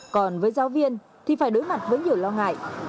còn với giáo viên thì phải đối mặt với nhiều lo ngại